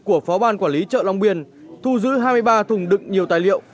của phó ban quản lý chợ long biên thu giữ hai mươi ba thùng đựng nhiều tài liệu